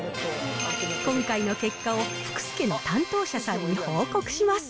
今回の結果を、福助の担当者さんに報告します。